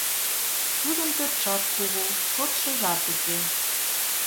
Тудын пӧртшат кугу, шочшыжат уке...